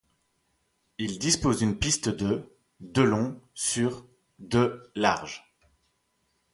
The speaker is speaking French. Il dispose d'une piste de de long sur de large.